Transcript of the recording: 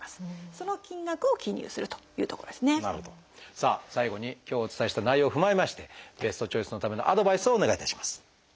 さあ最後に今日お伝えした内容を踏まえましてベストチョイスのためのアドバイスをお願いいたします。